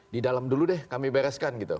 di dalam dulu deh kami bereskan gitu